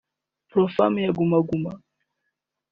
Platform ya Guma Guma